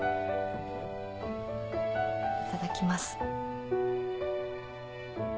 いただきます。